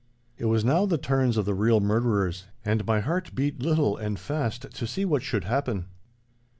It was now the turns of the real murderers, and my heart beat little and fast to see what should happen.